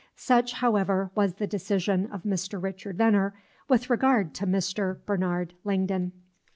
Such, however, was the decision of Mr. Richard Veneer with regard to Mr. Bernard Langdon.